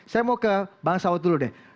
saya mau ke bang saud dulu deh